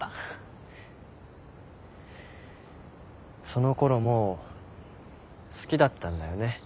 そのころもう好きだったんだよね